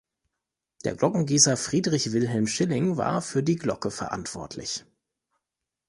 Der Glockengießer Friedrich Wilhelm Schilling war für die Glocke verantwortlich.